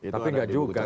tapi nggak juga kak